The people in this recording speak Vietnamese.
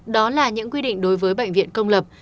đó là những quy định đối với bệnh viện công lập